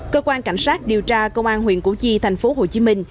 cơ quan cảnh sát điều tra công an huyện củ chi thành phố hồ chí minh